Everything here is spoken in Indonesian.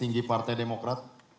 tinggi partai demokrat